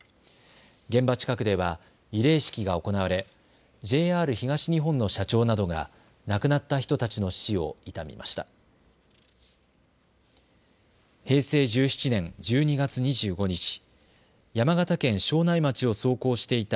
現場近くでは慰霊式が行われＪＲ東日本の社長などが亡くなった人たちの死を悼みました。